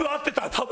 多分。